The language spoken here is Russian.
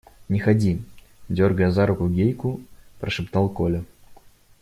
– Не ходи, – дергая за руку Гейку, прошептал Коля.